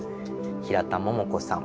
平田桃子さん。